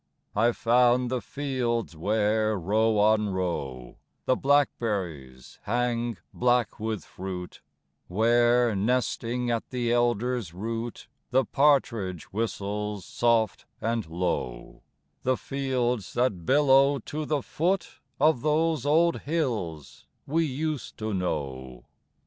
I found the fields where, row on row, The blackberries hang black with fruit; Where, nesting at the elder's root, The partridge whistles soft and low; The fields, that billow to the foot Of those old hills we used to know.